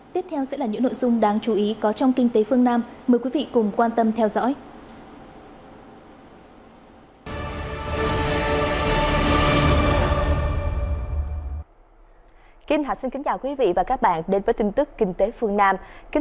tiếp theo sẽ là những nội dung đáng chú ý có trong kinh tế phương tiện